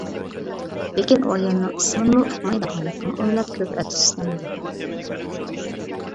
لېكىن ئۇ ئايالنىڭ ئىسمىنىمۇ ئۇقمايدىغانلىقىنى ئويلاپ كۆپ ئەپسۇسلاندى.